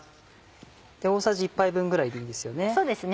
大さじ１杯分ぐらいでいいんですよね。